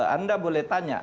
anda boleh tanya